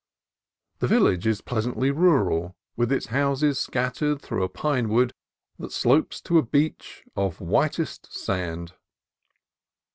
The village is pleasantly rural, with its houses scat tered through a pine wood that slopes to a beach of whitest sand.